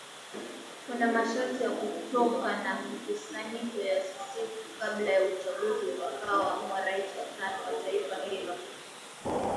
kuna masharti ya kutoka na mikusanyiko ya usiku kabla ya uchaguzi utakao amua rais wa tano wa taifa hilo